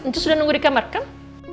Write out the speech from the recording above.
nanti sudah nunggu di kamar kan